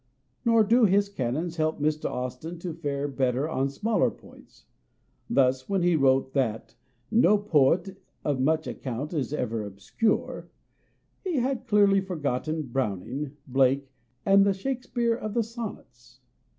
Nor do his canons help Mr. Austin to fare better on smaller points. Thus when he wrote that " no poet of much account is ever 236 MONOLOGUES obscure " he had clearly forgotten Browning, Blake, and the Shakespeare of the Sonnets.